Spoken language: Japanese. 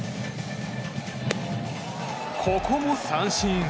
ここも三振。